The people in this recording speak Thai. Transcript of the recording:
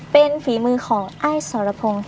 เป็นฝีมือของไอ้สรพงศ์ค่ะ